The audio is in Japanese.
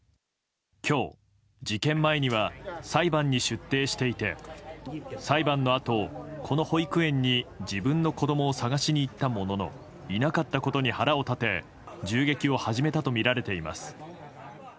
今日、事件前には裁判に出廷していて裁判のあと、この保育園に自分の子供を探しに行ったもののいなかったことに腹を立て銃撃を始めたとみられています。